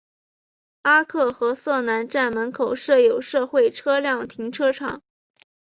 阿克和瑟南站门口设有社会车辆停车场。